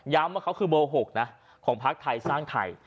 ย้ำว่าเขาคือเบลล์หกนะของพรรคไทรสร้างไทย